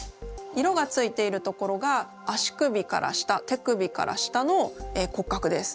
色がついているところが足首から下手首から下の骨格です。